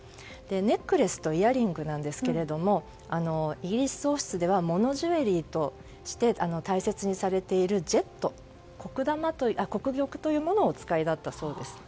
ネックレスとイヤリングなんですけれどもイギリス王室では喪のジュエリーとして大切にされているジェット、黒玉というものをお使いだったそうです。